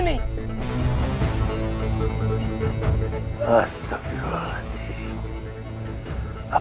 dia sudah mencari hasilrolaga ini clase hyedam